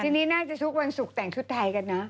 ทีนี้น่าจะทุกวันศุกร์แต่งชุดไทยกันเนอะ